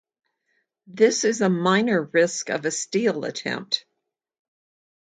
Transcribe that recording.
This is a minor risk of a steal attempt.